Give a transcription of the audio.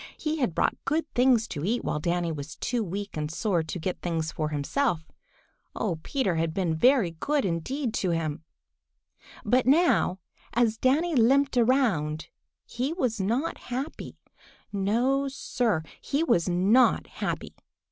He had brought good things to eat while Danny was too weak and sore to get things for himself. Oh, Peter had been very good indeed to him! But now, as Danny limped around, he was not happy. No, Sir, he was not happy.